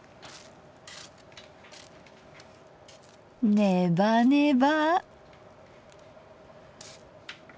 ねばねば。